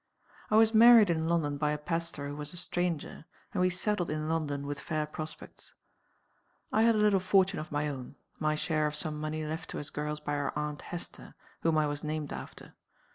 "I was married in London by a pastor who was a stranger; and we settled in London with fair prospects. I had a little fortune of my own my share of some money left to us girls by our aunt Hester, whom I was named after.